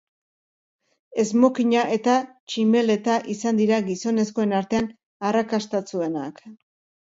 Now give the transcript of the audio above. Esmokina eta tximeleta izan dira gizonezkoen artean arrakastatsuenak.